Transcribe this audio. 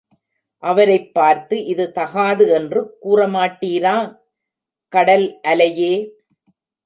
அவரைப் பார்த்து இது தகாது என்று கூறமாட்டீரா? கடல் அலையே!